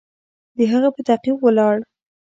د هغه په تعقیب ولاړ.